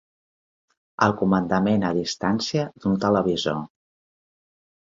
El comandament a distància d'un televisor.